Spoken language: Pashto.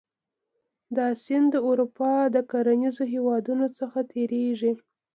دا سیند د اروپا د کرنیزو هېوادونو څخه تیریږي.